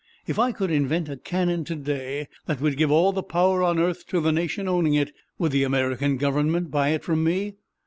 If I could invent a cannon to day that would give all the power on earth to the nation owning it, would the American Government buy it from me?